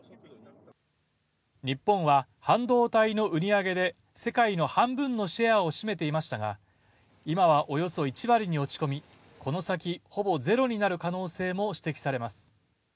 日本は半導体の売上で世界の半分のシェアを占めていましたが、今はおよそ１割に落ち込み、この先、ほぼゼロになる可能性も指摘されています。